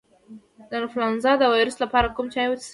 د انفلونزا د ویروس لپاره کوم چای وڅښم؟